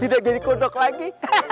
tidak jadi kodok lagi